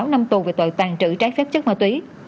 một mươi sáu năm tù về tội tàn trữ trái phép chất ma túy